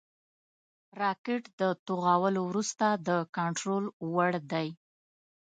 راکټ د توغولو وروسته د کنټرول وړ دی